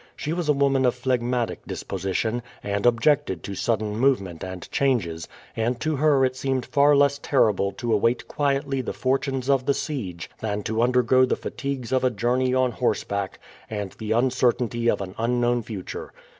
She was a woman of phlegmatic disposition, and objected to sudden movement and changes, and to her it seemed far less terrible to await quietly the fortunes of the siege than to undergo the fatigues of a journey on horseback and the uncertainty of an unknown future.